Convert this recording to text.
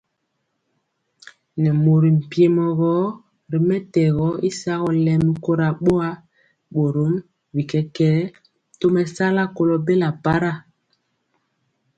Nɛ mori mpiemɔ gɔ ri mɛtɛgɔ y sagɔ lɛmi kora boa, borom bi kɛkɛɛ tomesala kolo bela para.